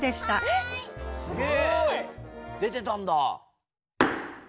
すげえ！出てたんだ。